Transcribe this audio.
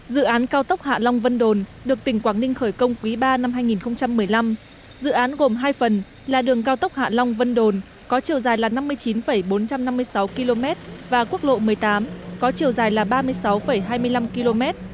dự án cao tốc hạ long vân đồn được tỉnh quảng ninh khởi công quý ba năm hai nghìn một mươi năm dự án gồm hai phần là đường cao tốc hạ long vân đồn có chiều dài là năm mươi chín bốn trăm năm mươi sáu km và quốc lộ một mươi tám có chiều dài là ba mươi sáu hai mươi năm km